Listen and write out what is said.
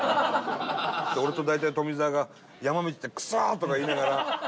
俺と大体富澤が山道で「クソ！」とか言いながら。